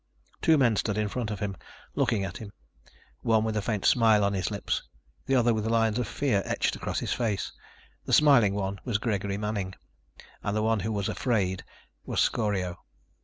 Two men stood in front of him, looking at him, one with a faint smile on his lips, the other with lines of fear etched across his face. The smiling one was Gregory Manning and the one who was afraid was Scorio!